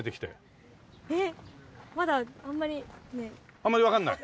あんまりわかんない？